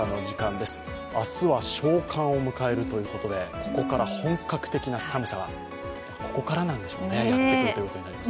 明日は小寒を迎えるということで本格的な寒さが、ここからやってくるということになります。